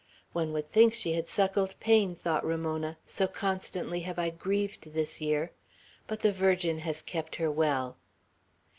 "One would think she had suckled pain," thought Ramona, "so constantly have I grieved this year; but the Virgin has kept her well."